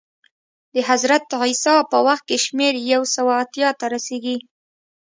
د حضرت عیسی په وخت کې شمېر یو سوه اتیا ته رسېږي